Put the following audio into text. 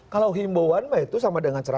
kalau himbauan itu sama dengan cerita